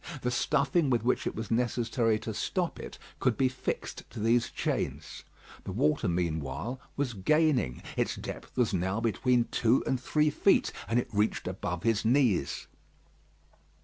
The stuffing with which it was necessary to stop it could be fixed to these chains. The water meanwhile was gaining. Its depth was now between two and three feet; and it reached above his knees.